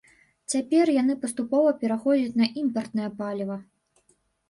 Цяпер яны паступова пераходзяць на імпартнае паліва.